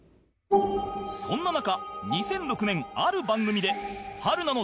そんな中